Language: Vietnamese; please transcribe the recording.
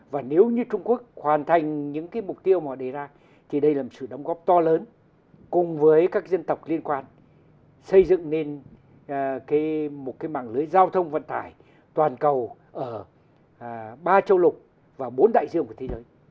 và nếu như trung quốc hoàn thành những cái mục tiêu mà họ đề ra thì đây là một sự đóng góp to lớn cùng với các dân tộc liên quan xây dựng nên một cái mạng lưới giao thông vận tải toàn cầu ở ba châu lục và bốn đại dương của thế giới